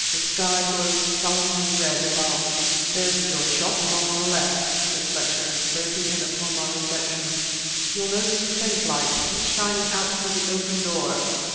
The sky glowed sullenly red above. "There's the Joy Shop, along on the left," said Fletcher, breaking in upon my reflections. "You'll notice a faint light; it's shining out through the open door.